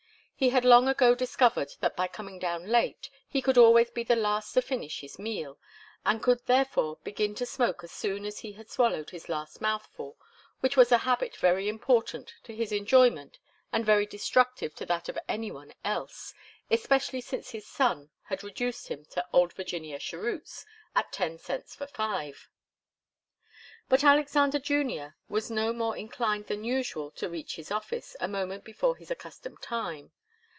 He had long ago discovered that by coming down late he could always be the last to finish his meal, and could therefore begin to smoke as soon as he had swallowed his last mouthful which was a habit very important to his enjoyment and very destructive to that of any one else, especially since his son had reduced him to 'Old Virginia Cheroots' at ten cents for five. But Alexander Junior was no more inclined than usual to reach his office a moment before his accustomed time.